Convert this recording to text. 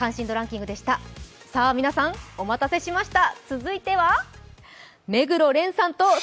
さあ皆さん、お待たせしました。